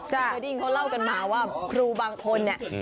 เคยได้ยินเค้าเล่ากันมาว่าครูบางคนเนี่ย